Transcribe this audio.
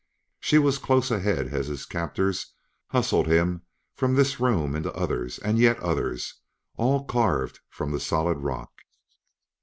She was close ahead as his captors hustled him from this room into others and yet others, all carved from the solid rock.